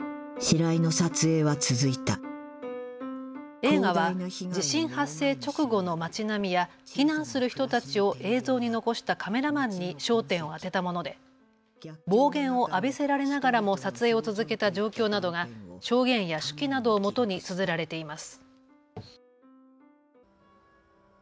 映画は地震発生直後の町並みや避難する人たちを映像に残したカメラマンに焦点を当てたもので暴言を浴びせられながらも撮影を続けた状況などが証言や手記などをもとにつづられています。